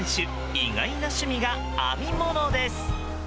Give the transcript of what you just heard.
意外な趣味が編み物です。